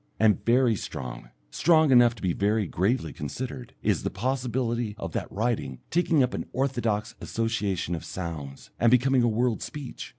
And very strong strong enough to be very gravely considered is the possibility of that writing taking up an orthodox association of sounds, and becoming a world speech.